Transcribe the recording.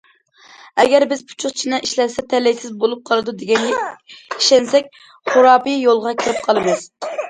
ئەگەر بىز پۇچۇق چىنە ئىشلەتسە، تەلەيسىز بولۇپ قالىدۇ دېگەنگە ئىشەنسەك، خۇراپىي يولغا كىرىپ قالىمىز.